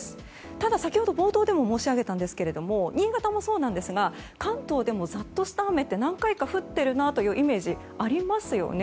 ただ、先ほど冒頭でも申し上げたんですけれども新潟もそうなんですが関東でもざっとした雨って何回か降ってるなというイメージありますよね。